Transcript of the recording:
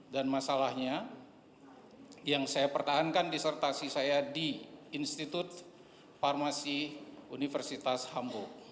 dan masalahnya yang saya pertahankan disertasi saya di institut farmasi universitas hamburg